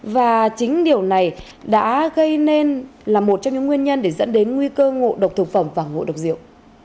và chính điều này đã gây nên là một trong những nguyên nhân để dẫn đến nguy cơ ngộ độc thực phẩm và ngộ độc rượu